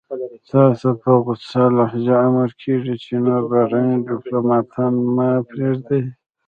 تاته په غوڅه لهجه امر کېږي چې نور بهرني دیپلوماتان مه پرېږدئ.